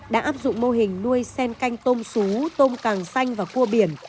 đã áp dụng mô hình nuôi sen canh tôm sú tôm càng xanh và cua biển